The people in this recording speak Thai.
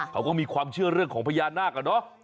เขาก็มีความเชื่อเรื่องของพญานาคอะเนาะ